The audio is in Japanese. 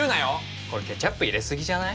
これケチャップ入れ過ぎじゃない？